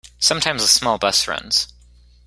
Sometimes a small bus runs.